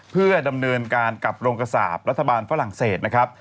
เพื่อดำเนินการกับโรงกระสาปรัฐบาลฝรั่งเศสนะครับ